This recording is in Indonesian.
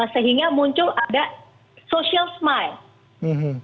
sehingga muncul ada social smile